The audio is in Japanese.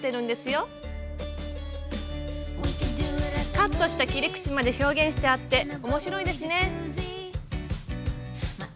カットした切り口まで表現してあって面白いですね。